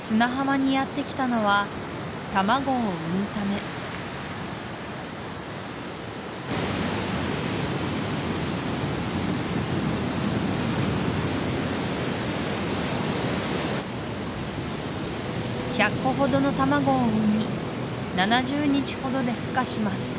砂浜にやってきたのは卵を産むため１００個ほどの卵を産み７０日ほどでふ化します